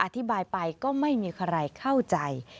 อธิบายไปก็ไม่มีใครเข้าใจ